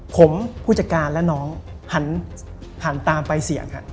ผมผู้จัดการและน้องหันตามไปเสี่ยง